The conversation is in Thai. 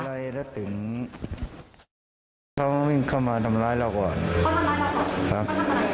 หลังจากเถียงกันเสร็จครับ